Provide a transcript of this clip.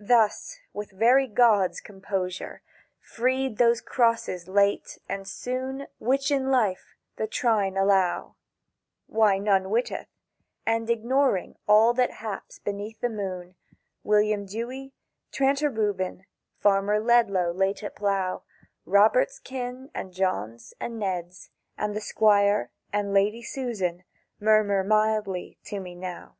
—Thus, with very gods' composure, freed those crosses late and soon Which, in life, the Trine allow (Why, none witteth), and ignoring all that haps beneath the moon, William Dewy, Tranter Reuben, Farmer Ledlow late at plough, Robert's kin, and John's, and Ned's, And the Squire, and Lady Susan, murmur mildly to me now.